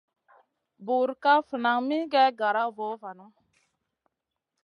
Bur NDA ndo kaf nan min gue gara vu nanu.